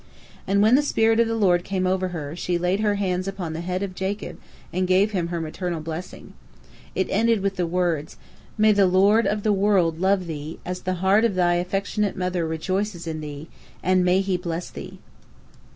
And when the spirit of the Lord came over her, she laid her hands upon the head of Jacob and gave him her maternal blessing. It ended with the words, "May the Lord of the world love thee, as the heart of thy affectionate mother rejoices in thee, and may He bless thee."